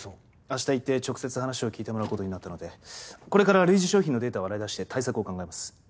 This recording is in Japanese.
あした行って直接話を聞いてもらうことになったのでこれから類似商品のデータを洗い出して対策を考えます。